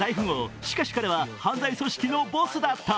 しかし彼は犯罪組織のボスだった。